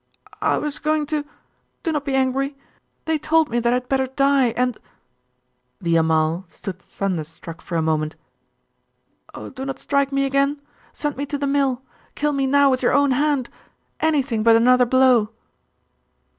'I was going to Do not be angry!.... They told me that I had better die, and The Amal stood thunderstruck for a moment. 'Oh, do not strike me again! Send me to the mill. Kill me now with your own hand! Anything but another blow!